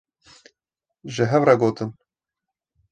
ji hev re gotin